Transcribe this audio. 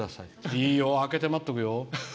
「いいよ、あけて待ってるよ」。